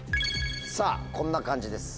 こんな感じです。